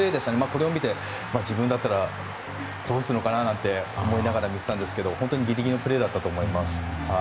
これを見て、自分だったらどうするかななんて思いながら見ていたんですけど本当にギリギリのプレーだったと思います。